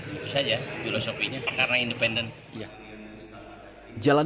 itu saja filosofinya karena independen